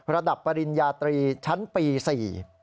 ระดับปริญญาตรีชั้นปี๔